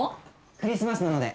クリスマスなので。